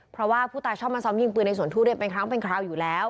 เพราะว่าผู้ตายชอบมาซ้อมยิงปืนในสวนทุเรียนเป็นครั้งเป็นคราวอยู่แล้ว